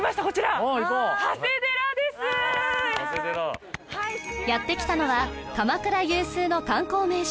うわあっ長谷寺やってきたのは鎌倉有数の観光名所